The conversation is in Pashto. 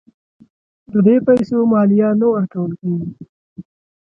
د دې پیسو مالیه نه ورکول کیږي.